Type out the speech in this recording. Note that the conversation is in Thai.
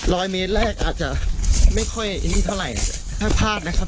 ร้อยเมตรแรกอาจจะไม่ค่อยอันนี้เท่าไหร่ถ้าพลาดนะครับ